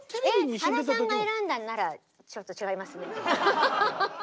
えっ原さんが選んだんならちょっと違いますね。